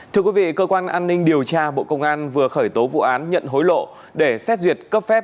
thưa quý vị cơ quan an ninh điều tra bộ công an vừa khởi tố vụ án nhận hối lộ để xét duyệt cấp phép